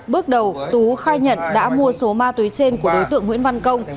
bước đầu tú khai nhận đã mua số ma túy trên của đối tượng nguyễn văn công